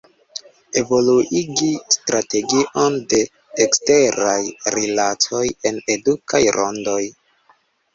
Evoluigi strategion de eksteraj rilatoj en edukaj rondoj.